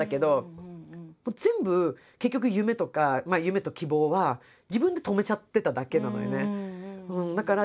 全部結局夢とか夢と希望は自分で止めちゃってただけなのよね。